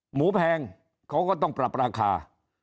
หมูแพงเขาก็ต้องปรับราคา